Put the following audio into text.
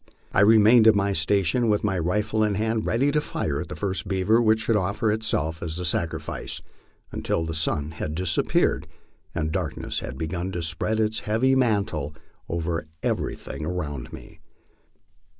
I remained at my station with my rifle in hand ready to fire at the first beaver which should offer itself as a sacri fice, until the sun had disappeared and darkness had begun to spread its heavy mantle over everything around me.